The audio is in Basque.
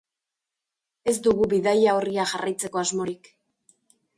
Ez dugu bidaia-orria jarraitzeko asmorik.